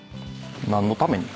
何のために？